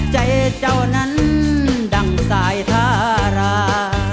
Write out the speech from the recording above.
ใจเจ้านั้นดั่งสายทารา